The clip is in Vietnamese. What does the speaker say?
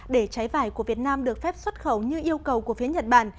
để trái vải của việt nam được phép xuất khẩu như yêu cầu của phía nhật bản